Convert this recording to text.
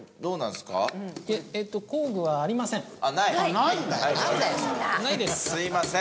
すいません。